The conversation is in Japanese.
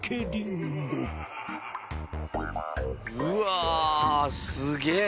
うわすげえ！